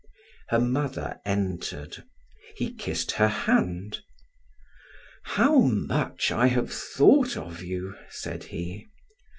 Her mother entered. He kissed her hand. "How much I have thought of you," said he.